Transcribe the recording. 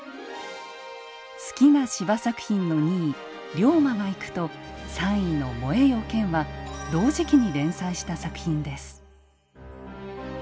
好きな司馬作品の２位「竜馬がゆく」と３位の「燃えよ剣」は同時期に連載した作品です。